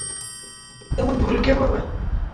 এমন ভুল কে করে?